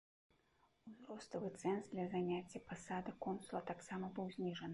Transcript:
Узроставы цэнз для заняцця пасады консула таксама быў зніжаны.